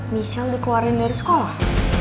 michelle dikeluarin dari sekolah